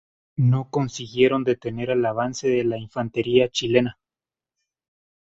No consiguieron detener el avance de la infantería chilena.